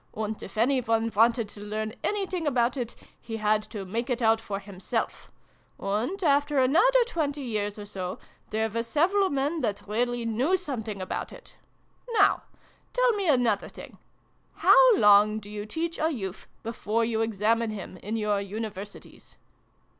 And if any one wanted to learn any thing about it, he had to make it out for himself; and after another twenty years or so there were several men that really knew some thing about it ! Now tell me another thing. How long do you teach a youth before you examine him, in your Universities